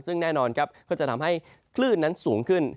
ซึ่งแน่นอนครับก็จะทำให้คลื่นนั้นสูงขึ้น